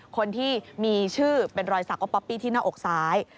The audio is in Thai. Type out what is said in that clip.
คนที่มีชื่อเป็นรอยสักป๊อปปี้ที่หน้าอกซ้าย